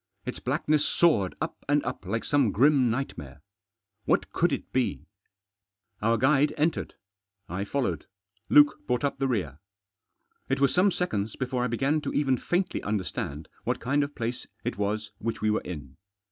Its blackness soared up and up like some grim nightmare. What could it be ? Our guide entered. I followed ; Luke brought up the rear. It was some seconds before I began to even faintly understand what kind of place it was which we were in.